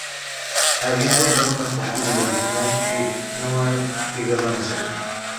Habían guardado una copia del original que no ha llegado a nosotros.